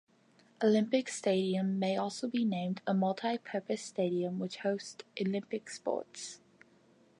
Olympic Stadium may also be named a multi-purpose stadium which hosts Olympic sports.